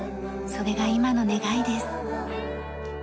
それが今の願いです。